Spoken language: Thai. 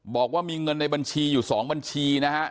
บอกว่ามีเงินในบัญชีอยู่๒บัญชีนะฮะ